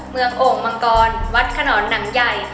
โอ่งมังกรวัดขนอนหนังใหญ่